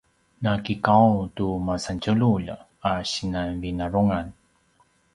na kiqaung tu masan tjelulj a sinan vinarungan